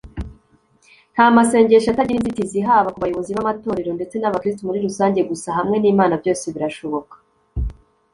Ntamasengesho atagira inzitizi haba kubayobozi bamatorero ndetse n’abakristo muri rusange gusa hamwe n’Imana byose birashoboka.